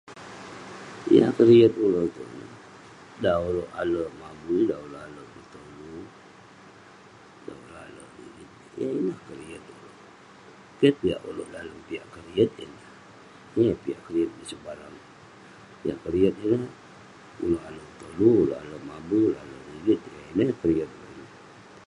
[unintelligible] dan ulouk ale' mabui ale' betolu, dan ulouk ale' [unintelligible] Keh piak ulouk dalem piak keriyet ineh, pun neh piak keriyet neh sebarang. Yah keriyet ineh, ulouk ale mabui, ulouk betolu, ulouk ale rigit. Yah ineh keriyet.